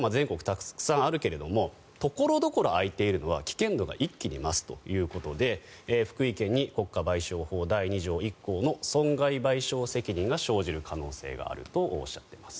たくさんあるけれども所々あいているのは危険度が一気に増すということで福井県に国家賠償法第２条１項の損害賠償責任が生じる可能性があるとおっしゃっています。